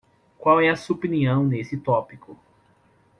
Qual é a sua opinião nesse tópico?